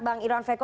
bang irwan veko